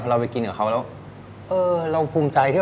เราไปกินกับเขาแล้วเออเราภูมิใจที่